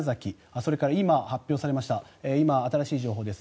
それから今、発表されました新しい情報です。